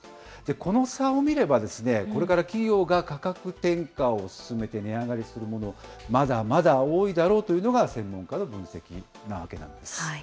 この差を見れば、これから企業が価格転嫁を進めて値上がりするモノ、まだまだ多いだろうというのが専門家の分析なわけなんです。